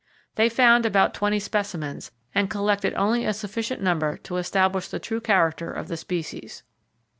They found about twenty specimens, and collected only a sufficient number to establish the true character of the species.